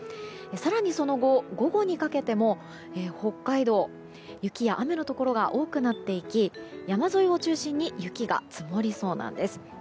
更にその後、午後にかけても北海道、雪や雨のところが多くなっていき山沿いを中心に雪が積もりそうなんです。